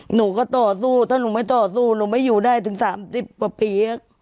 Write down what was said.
หนูก็ต่อสู้ถ้าหนูไม่ต่อสู้หนูไม่อยู่ได้ถึง๓๐กว่าปี